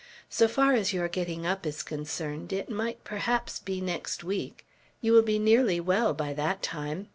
So far as your getting up is concerned, it might perhaps be next week. You will be nearly well by that time."